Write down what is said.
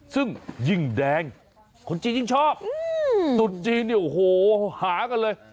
ซึ่งยิ่งแดงคนจีนยิ่งชอบตุดจีนเนี่ยโอ้โหหากันเลย